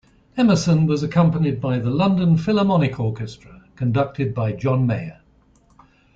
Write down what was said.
Emerson was accompanied by the London Philharmonic Orchestra, conducted by John Mayer.